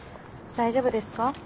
大丈夫ですか？